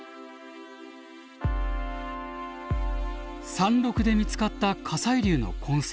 山麓で見つかった火砕流の痕跡。